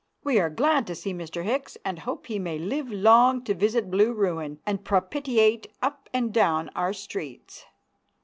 We are glad to see Mr. Hicks and hope he may live long to visit Blue Ruin and propitiate up and down our streets.